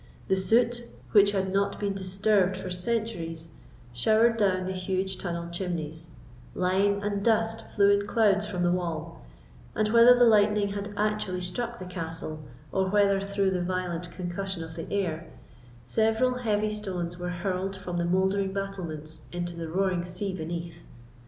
The soot, which had not been disturbed for centuries, showered down the huge tunnelled chimneys; lime and dust flew in clouds from the wall; and, whether the lightning had actually struck the castle or whether through the violent concussion of the air, several heavy stones were hurled from the mouldering battlements into the roaring sea beneath.